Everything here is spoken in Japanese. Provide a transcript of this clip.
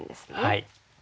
はい。